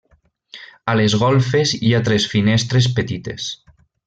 A les golfes hi ha tres finestres petites.